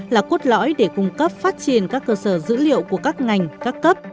là cốt lõi để cung cấp phát triển các cơ sở dữ liệu của các ngành các cấp